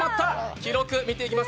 記録、見ていきます。